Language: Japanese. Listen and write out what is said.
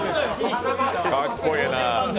かっこええな。